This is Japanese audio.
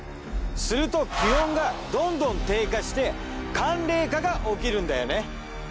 すると気温がどんどん低下して寒冷化が起きるんだよね。